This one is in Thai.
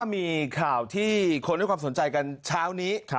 มีข่าวที่คนให้ความสนใจกันเช้านี้